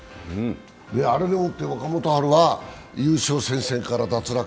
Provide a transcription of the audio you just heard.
あれでもって若元春は優勝戦線から脱落。